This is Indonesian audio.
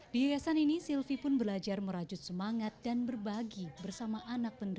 di yayasan ini silvi pun belajar merajut semangat dan berbagi bersama anak penduduk